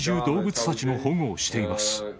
動物たちの保護をしています。